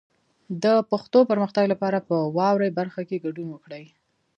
د پښتو پرمختګ لپاره په واورئ برخه کې ګډون وکړئ.